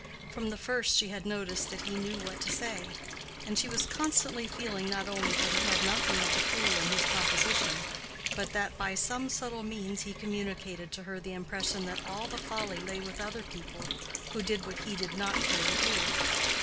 From the first she had noticed that he knew what to say; and she was constantly feeling not only that he had nothing of the fool in his composition, but that by some subtle means he communicated to her the impression that all the folly lay with other people, who did what he did not care to do.